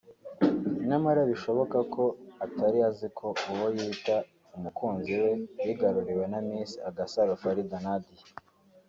nyamara bishoboka ko atari azi ko uwo yita umukunzi we yigaruriwe na Miss Agasaro Farid Nadia